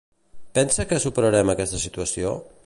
Pensa que superarem aquesta situació?